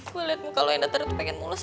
gue liat muka lo yang datar itu pengen mulus